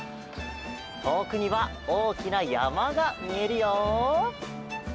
とおくにはおおきなやまがみえるよ！